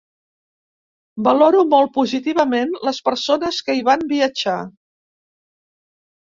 Valoro molt positivament les persones que hi van viatjar.